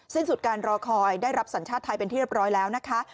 สิ้นสุดการรอคอยได้รับสัญชาติไทยเป็นที่เรียบร้อยแล้วนะคะ